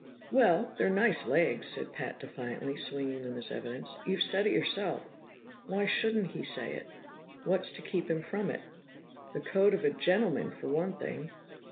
"Well, they're nice legs," said Pat defiantly, swinging them as evidence. "You've said it yourself. Why shouldn't he say it? What's to keep him from it?" "The code of a gentleman, for one thing!"